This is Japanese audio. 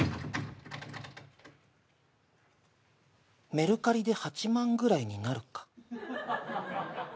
メルカリで８万ぐらいになるか